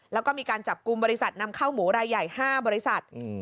แล้วก็มีการจับกลุ่มบริษัทนำเข้าหมูรายใหญ่๕บริษัท